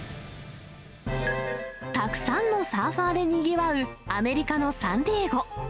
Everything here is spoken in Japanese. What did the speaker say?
たくさんのサーファーでにぎわうアメリカのサンディエゴ。